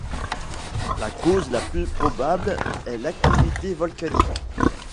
La cause la plus probable est l'activité volcanique.